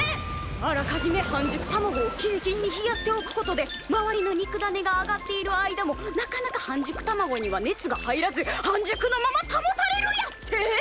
あらかじめ半熟卵をキンキンに冷やしておくことで周りの肉だねがあがっている間もなかなか半熟卵には熱が入らず半熟のまま保たれるやって？